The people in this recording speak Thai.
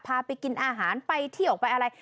พาไปกินอาหารไปเที่ยวไปอะไร